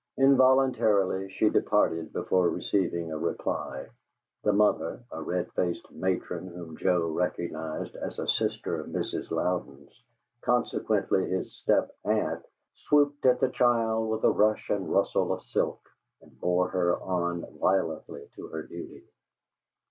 Involuntarily, she departed before receiving a reply. The mother, a red faced matron whom Joe recognized as a sister of Mrs. Louden's, consequently his step aunt, swooped at the child with a rush and rustle of silk, and bore her on violently to her duty.